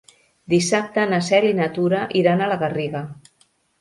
Dissabte na Cel i na Tura iran a la Garriga.